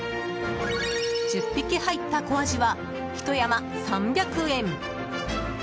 １０匹入った小アジは１山３００円。